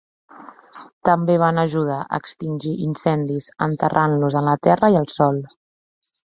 També van ajudar a extingir incendis enterrant-los en la terra i el sòl.